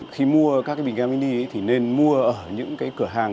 khi mua các cái bình ga mini thì nên mua ở những cái cửa hàng